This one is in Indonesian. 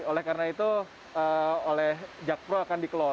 oleh karena itu oleh jakpro akan dikelola